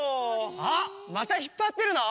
あっまたひっぱってるの？